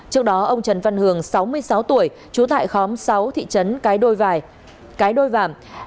trước đó ông trần văn hường sáu mươi sáu tuổi chú tại khóm sáu thị trấn cái đôi vảm